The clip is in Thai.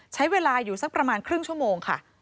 ใช้เวลาอยู่สักประมาณครึ่งชั่วโมงค่ะ